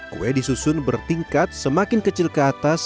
kue disusun bertingkat semakin kecil ke atas